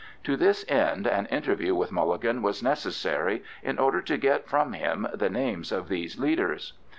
To this end an interview with Mulligan was necessary, in order to get from him the names of these leaders.